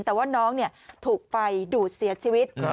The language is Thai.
แต่ว่าน้องถูกไฟดูดเสียชีวิต